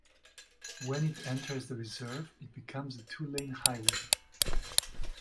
When it enters the reserve, it becomes a two-lane highway.